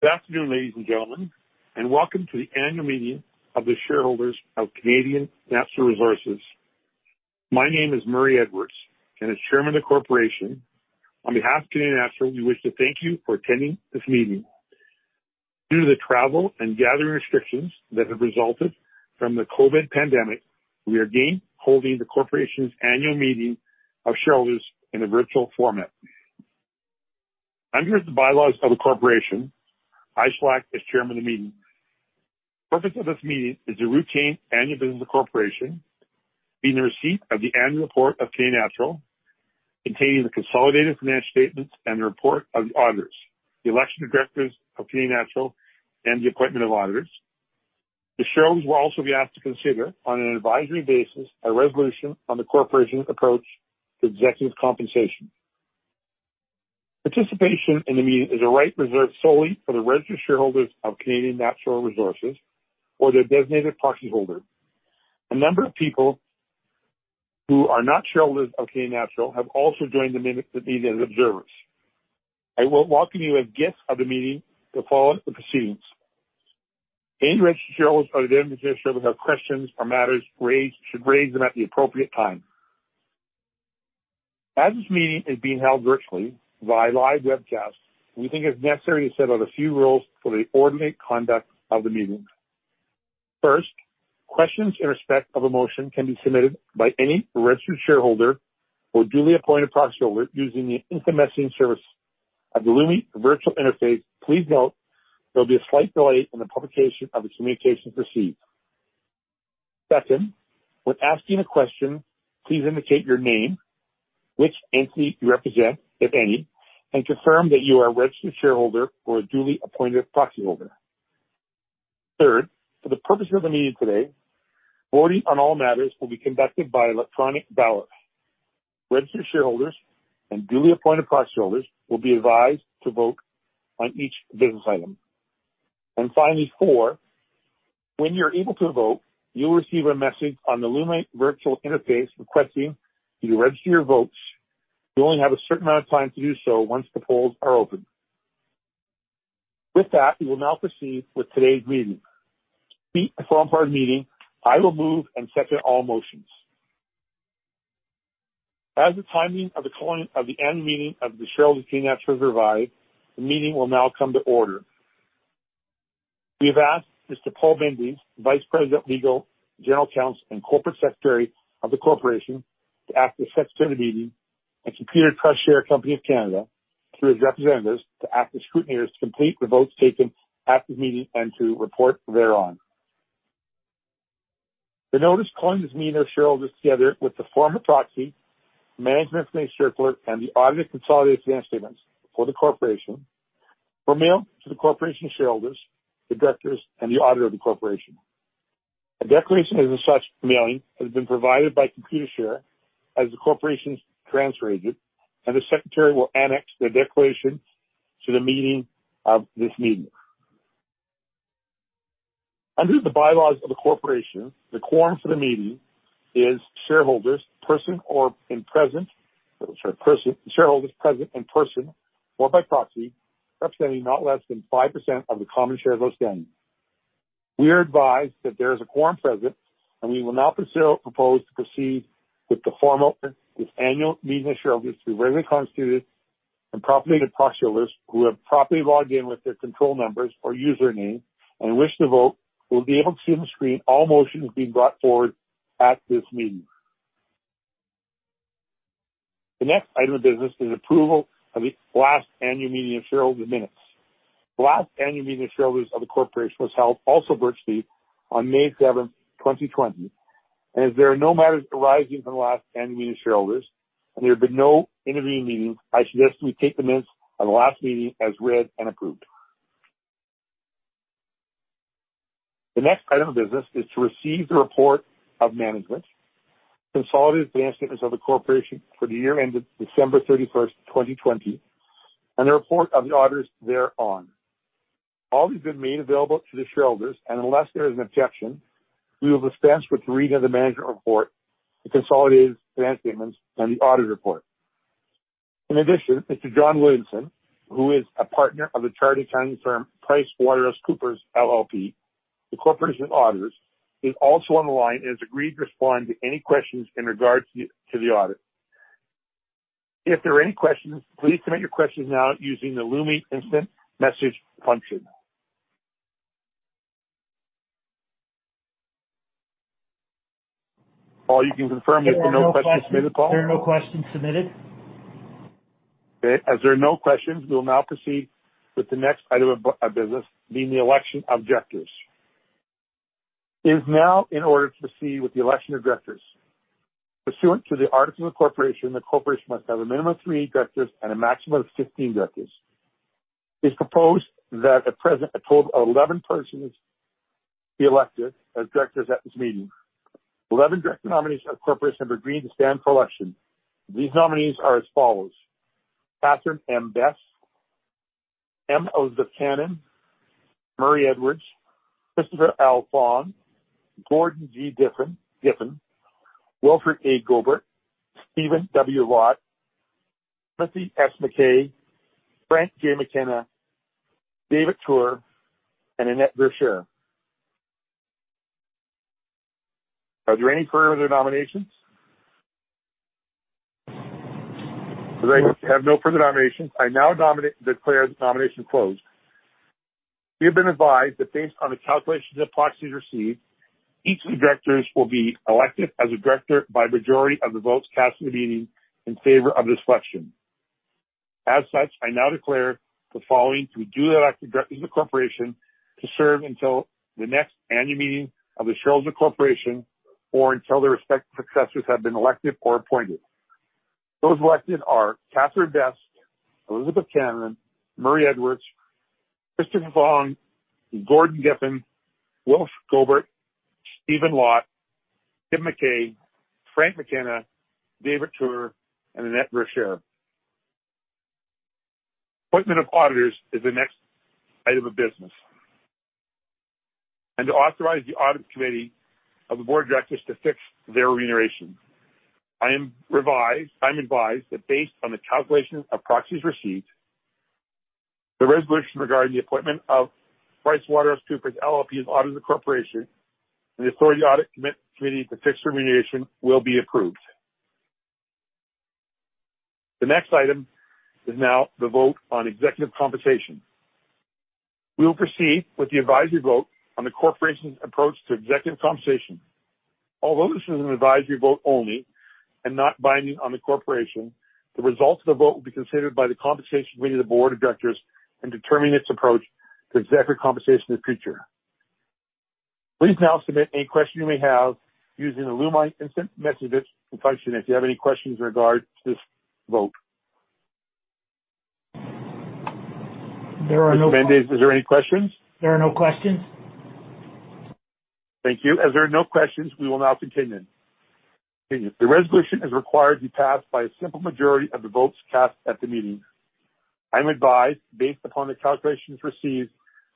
Good afternoon, ladies and gentlemen, welcome to the annual meeting of the shareholders of Canadian Natural Resources. My name is Murray Edwards, and as chairman of the corporation, on behalf of Canadian Natural, we wish to thank you for attending this meeting. Due to the travel and gathering restrictions that have resulted from the COVID pandemic, we are again holding the corporation's annual meeting of shareholders in a virtual format. Under the bylaws of the corporation, I shall act as chairman of the meeting. The purpose of this meeting is the routine annual business of the corporation, being the receipt of the annual report of Canadian Natural, containing the consolidated financial statements and the report of the auditors, the election of directors of Canadian Natural, and the appointment of auditors. The shareholders will also be asked to consider, on an advisory basis, a resolution on the corporation's approach to executive compensation. Participation in the meeting is a right reserved solely for the registered shareholders of Canadian Natural Resources or their designated proxy holder. A number of people who are not shareholders of Canadian Natural have also joined the meeting as observers. I will welcome you as guests of the meeting to follow the proceedings. Any registered shareholders or their designated proxy holders who have questions or matters to raise should raise them at the appropriate time. As this meeting is being held virtually via live webcast, we think it's necessary to set out a few rules for the orderly conduct of the meeting. First, questions in respect of a motion can be submitted by any registered shareholder or duly appointed proxy holder using the instant messaging service of the Lumi Virtual Interface. Please note there'll be a slight delay in the publication of the communications received. Second, when asking a question, please indicate your name, which entity you represent, if any, and confirm that you are a registered shareholder or a duly appointed proxy holder. Third, for the purpose of the meeting today, voting on all matters will be conducted by electronic ballot. Registered shareholders and duly appointed proxy holders will be advised to vote on each business item. Finally, four, when you're able to vote, you'll receive a message on the Lumi Virtual Interface requesting that you register your votes. You only have a certain amount of time to do so once the polls are open. With that, we will now proceed with today's meeting. To speed up our meeting, I will move and second all motions. As the timing of the calling of the annual meeting of the shareholders of Canadian Natural is advised, the meeting will now come to order. We have asked Mr. Paul Mendes, Vice President, Legal, General Counsel, and Corporate Secretary of the corporation, to act as secretary of the meeting, and Computershare Trust Company of Canada, through his representatives, to act as scrutineers to complete the votes taken at this meeting and to report thereon. The notice calling this meeting of shareholders, together with the form of proxy, management's circular, and the audited consolidated financial statements for the corporation, were mailed to the corporation's shareholders, the directors, and the auditor of the corporation. A declaration as to such mailing has been provided by Computershare as the corporation's transfer agent, and the secretary will annex the declaration to the minutes of this meeting. Under the bylaws of the corporation, the quorum for the meeting is shareholders present in person or by proxy, representing not less than 5% of the common shares outstanding. We are advised that there is a quorum present, and we will now propose to proceed with the formal order. This annual meeting of shareholders is regularly constituted, and properly appointed proxy holders who have properly logged in with their control numbers or username and wish to vote will be able to see on the screen all motions being brought forward at this meeting. The next item of business is approval of the last annual meeting of shareholders' minutes. The last annual meeting of shareholders of the corporation was held also virtually on May 7th, 2020, and as there are no matters arising from the last annual meeting of shareholders and there have been no intervening meetings, I suggest we take the minutes of the last meeting as read and approved. The next item of business is to receive the report of management, consolidated financial statements of the corporation for the year ended December 31st, 2020, and the report of the auditors thereon. All these have been made available to the shareholders, and unless there is an objection, we will dispense with the reading of the management report, the consolidated financial statements, and the audit report. In addition, Mr. John Williamson, who is a partner of the chartered accounting firm PricewaterhouseCoopers LLP, the corporation's auditors, is also on the line and has agreed to respond to any questions in regards to the audit. If there are any questions, please submit your questions now using the Lumi instant message function. Paul, you can confirm if there are no questions submitted, Paul. There are no questions submitted. Okay, as there are no questions, we will now proceed with the next item of business, being the election of directors. It is now in order to proceed with the election of directors. Pursuant to the articles of incorporation, the corporation must have a minimum of three directors and a maximum of 15 directors. It is proposed that a total of 11 persons be elected as directors at this meeting. Eleven director nominees of the corporation have agreed to stand for election. These nominees are as follows: Catherine M. Best, M. Elizabeth Cannon, N. Murray Edwards, Christopher L. Fong, Gordon D. Giffin, Wilfred A. Gobert, Steve W. Laut, Tim S. McKay, Frank McKenna, David A. Tuer and Annette M. Verschuren. Are there any further nominations? I have no further nominations, I now declare the nomination closed. We have been advised that based on the calculations of proxies received, each of the directors will be elected as a director by a majority of the votes cast in the meeting in favor of this election. I now declare the following to be duly elected directors of the corporation to serve until the next annual meeting of the shareholders of the corporation, or until their respective successors have been elected or appointed. Those elected are Catherine M. Best, M. Elizabeth Cannon, N. Murray Edwards, Christopher L. Fong, Gordon D. Giffin, Wilfred A. Gobert, Steve W. Laut, Tim S. McKay, Frank McKenna, David A. Tuer, and Annette M. Verschuren. Appointment of auditors is the next item of business, and to authorize the audit committee of the board of directors to fix their remuneration. I'm advised that based on the calculation of proxies received, the resolution regarding the appointment of PricewaterhouseCoopers LLP as auditor of the corporation, and the authorize audit committee to fix remuneration will be approved. The next item is now the vote on executive compensation. We will proceed with the advisory vote on the corporation's approach to executive compensation. Although this is an advisory vote only and not binding on the corporation, the results of the vote will be considered by the Compensation Committee of the board of directors in determining its approach to executive compensation in the future. Please now submit any question you may have using the Lumi Instant Messages function if you have any questions in regard to this vote. Is there any questions? There are no questions. Thank you. There are no questions, we will now continue. The resolution is required to be passed by a simple majority of the votes cast at the meeting. I'm advised, based upon the calculations received,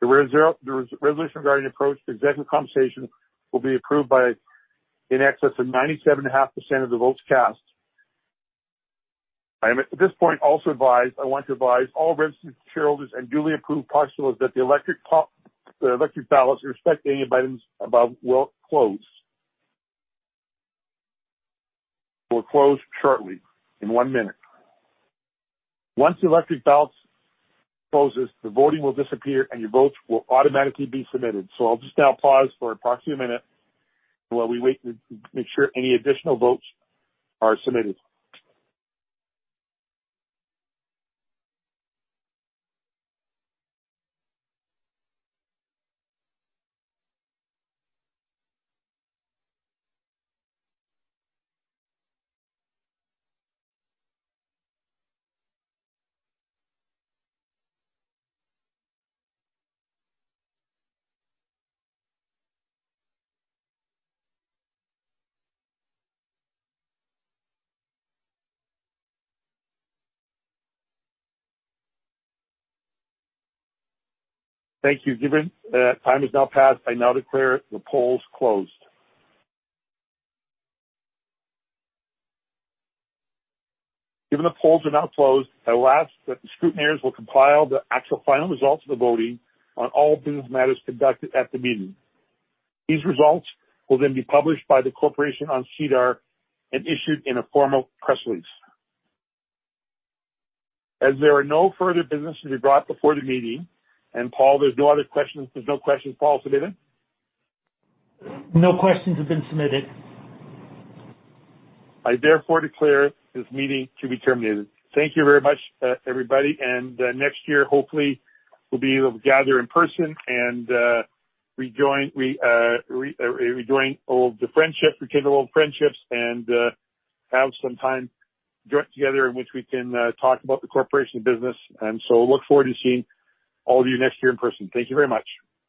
the resolution regarding approach to executive compensation will be approved by in excess of 97.5% of the votes cast. I am at this point also advised, I want to advise all registered shareholders and duly approved proxy holders that the electronic ballots respecting the items above will close shortly, in one minute. Once the electronic ballots closes, the voting will disappear, and your votes will automatically be submitted. I'll just now pause for approximately a minute while we wait to make sure any additional votes are submitted. Thank you. Given that time has now passed, I now declare the polls closed. Given the polls are now closed, I will ask that the scrutineers will compile the actual final results of the voting on all business matters conducted at the meeting. These results will be published by the corporation on SEDAR and issued in a formal press release. There are no further business to be brought before the meeting, Paul, there's no other questions. There's no questions, Paul, submitted? No questions have been submitted. I therefore declare this meeting to be terminated. Thank you very much, everybody, and next year, hopefully, we'll be able to gather in person and rejoin all of the friendships, rekindle old friendships, and have some time together in which we can talk about the corporation business. Look forward to seeing all of you next year in person. Thank you very much.